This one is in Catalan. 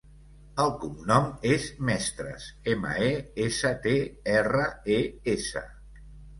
El cognom és Mestres: ema, e, essa, te, erra, e, essa.